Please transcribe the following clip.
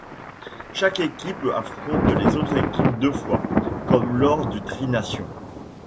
Chaque équipe affronte les autres équipes deux fois, comme lors du Tri-nations.